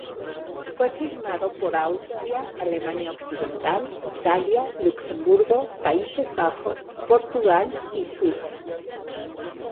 Fue firmado por Austria, Alemania Occidental, Italia, Luxemburgo, Países Bajos, Portugal y Suiza.